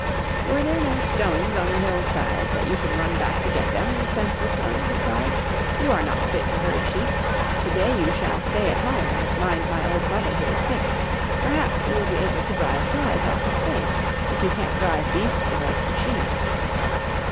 'Were there no stones on the hillside that you should run back to get them, you senseless one?' he cried; 'you are not fit to herd sheep. To day you shall stay at home and mind my old mother who is sick, perhaps you will be able to drive flies off her face, if you can't drive beasts away from sheep!